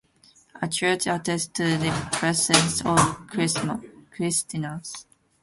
A church attests to the presence of Christians.